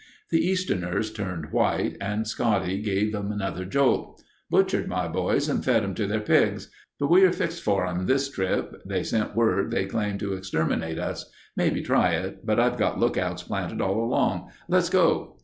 "The Easterners turned white and Scotty gave 'em another jolt. 'Butchered my boys and fed 'em to their pigs. But we are fixed for 'em this trip. They sent word they aim to exterminate us. Maybe try it, but I've got lookouts planted all along. Let's go....